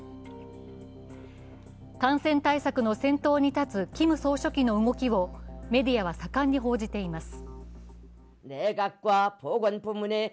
感染対策の先頭に立つキム総書記の動きをメディアは盛んに報じています。